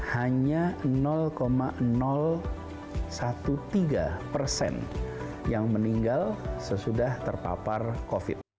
hanya tiga belas persen yang meninggal sesudah terpapar covid